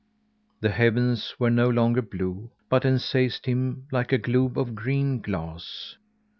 The heavens were no longer blue, but encased him like a globe of green glass.